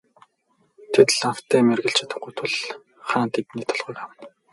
Тэд лавтай мэргэлж чадахгүй тул хаан тэдний толгойг авна.